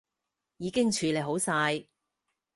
已經處理好晒